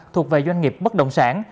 thuộc về doanh nghiệp bất động sản